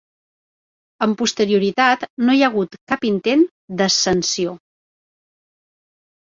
Amb posterioritat no hi ha hagut cap intent d'ascensió.